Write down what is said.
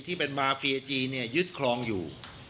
ที่เป็นมาเฟียจีนยึดคลองอยู่